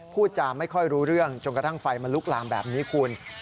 พูดจาไม่ค่อยรู้เรื่องจนกระทั่งไฟมันลุกลามแบบนี้คุณ